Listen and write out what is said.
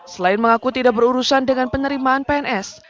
selain mengaku tidak berurusan dengan penerimaan pns